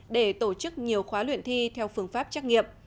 để tổ chức nhiều khóa luyện thi theo phương pháp trắc nghiệm